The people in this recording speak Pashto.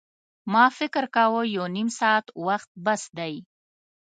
ما فکر کاوه یو نیم ساعت وخت بس دی.